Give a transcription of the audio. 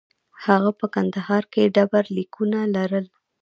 هغه په کندهار کې ډبرلیکونه لرل